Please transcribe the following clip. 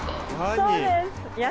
そうです。